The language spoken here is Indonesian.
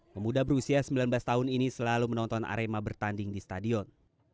pemuda berusia sembilan belas tahun ini selalu menonton arema bertanding di stadion